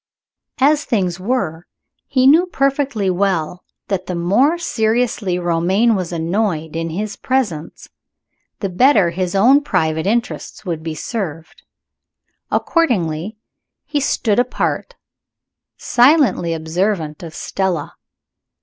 As things were, he knew perfectly well that the more seriously Romayne was annoyed, in his presence, the better his own private interests would be served. Accordingly, he stood apart, silently observant of Stella.